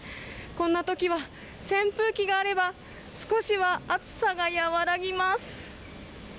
こんなときは扇風機があれば少しは暑さが和らぎます。